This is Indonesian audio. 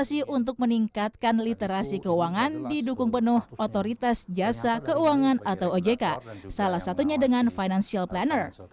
investasi untuk meningkatkan literasi keuangan didukung penuh otoritas jasa keuangan atau ojk salah satunya dengan financial planner